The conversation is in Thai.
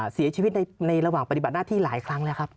เสียชีวิตในระหว่างปฏิบัติหน้าที่หลายครั้งแล้วครับ